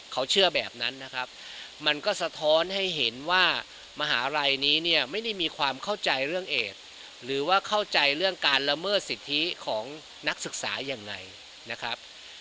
เขาเชื่อแบบนั้นนะครับมันก็สะท้อนให้เห็นว่ามหาลัยนี้เนี่ยไม่ได้มีความเข้าใจเรื่องเอสหรือว่าเข้าใจเรื่องการละเมิดสิทธิของนักศึกษายังไงนะครับ